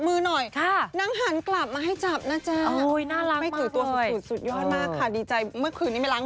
เมื่อคืนนี้ไม่ล้างมือแล้วนะตอนนี้ก็ไม่ล้าง